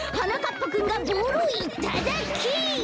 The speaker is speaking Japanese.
ぱくんがボールをいただき。